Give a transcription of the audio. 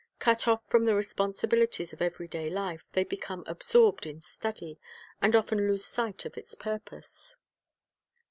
Cut off from the responsibilities of every day life, they become absorbed in study, and often lose sight of its purpose.